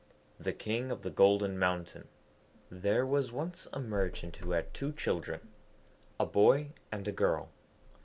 The King of the Golden Mountain There was once a Merchant who had two children, a boy and a girl.